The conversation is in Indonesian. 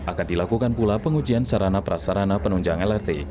akan dilakukan pula pengujian sarana prasarana penunjang lrt